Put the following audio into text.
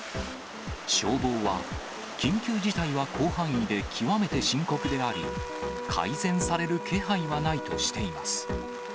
消防は、緊急事態は広範囲で極めて深刻であり、改善される気配はないとしています。